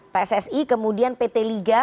pssi kemudian pt liga